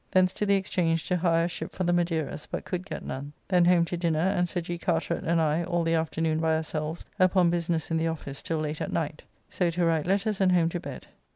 Thence to the Exchange to hire a ship for the Maderas, but could get none. Then home to dinner, and Sir G. Carteret and I all the afternoon by ourselves upon business in the office till late at night. So to write letters and home to bed.